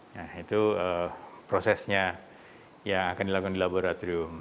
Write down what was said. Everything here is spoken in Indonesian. nah itu prosesnya yang akan dilakukan di laboratorium